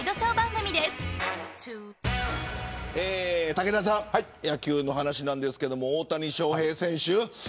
武田さん、野球の話ですが大谷翔平選手